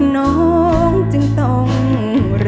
น้องจึงต้องรอ